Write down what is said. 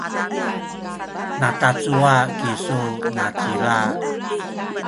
natacuwa kisu nacila?